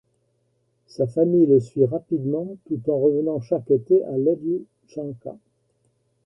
Sa famille le suit rapidement, tout en revenant chaque été à Ielchanka.